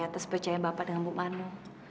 atas percaya bapak dengan buk mano